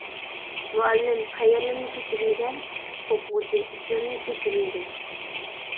مۇئەللىم: قەيەرلىرىنى كۆچۈرمىگەن؟ ئوقۇغۇچى: ئىسمىمنى كۆچۈرمىگەن.